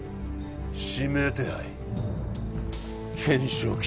指名手配懸賞金